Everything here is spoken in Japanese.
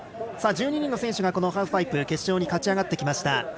１２人の選手がハーフパイプ決勝に勝ち上がってきました。